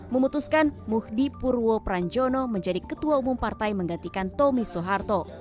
memutuskan muhdi purwo pranjono menjadi ketua umum partai menggantikan tommy soeharto